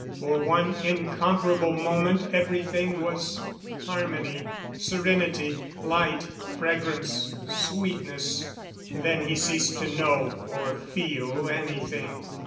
For one incomparable moment everything was harmony, serenity, light, fragrance, sweetness. Then he ceased to know or feel anything.